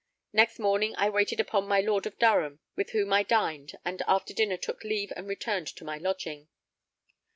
Next morning I waited upon my Lord of Durham, with whom I dined, and after dinner took leave and returned to my lodging.